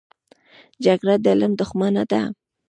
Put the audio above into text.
جګړه د علم دښمنه ده